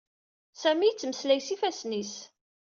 Sami yettmeslay s yifassen-is.